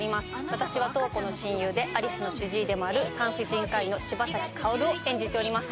私は瞳子の親友で有栖の主治医でもある産婦人科医の柴崎薫を演じております